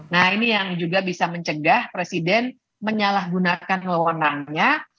nah ini yang juga bisa mencegah presiden menyalahgunakan lewonangnya